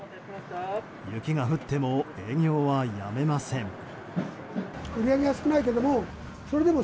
雪が降っても営業はやめません。